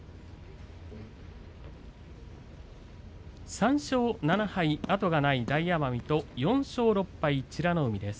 ３勝７敗、後がない大奄美と４勝６敗美ノ海。